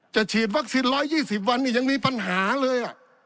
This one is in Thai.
ฉีดวัคซีน๑๒๐วันนี้ยังมีปัญหาเลย